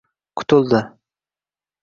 Qutuldi